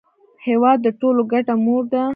هېواد د ټولو ګډه مور ده.